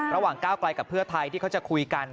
ระหว่างก้าวกลายกับเพื่อไทยที่เขาจะคุยกัน